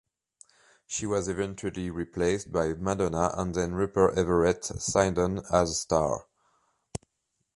She was eventually replaced by Madonna and then Rupert Everett signed on as star.